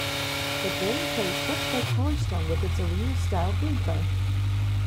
The game plays much like "Power Stone" with its arena-style gameplay.